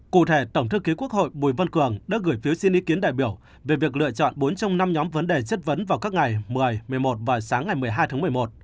cụ thể tổng thư ký quốc hội bùi văn cường đã gửi phiếu xin ý kiến đại biểu về việc lựa chọn bốn trong năm nhóm vấn đề chất vấn vào các ngày một mươi một mươi một và sáng ngày một mươi hai tháng một mươi một